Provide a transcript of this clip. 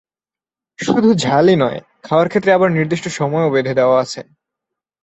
শুধু ঝালই নয়, খাওয়ার ক্ষেত্রে আবার নির্দিষ্ট সময়ও বেঁধে দেওয়া আছে।